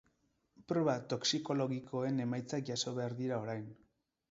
Proba toxikologikoen emaitzak jaso behar dira orain.